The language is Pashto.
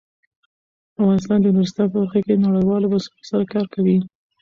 افغانستان د نورستان په برخه کې نړیوالو بنسټونو سره کار کوي.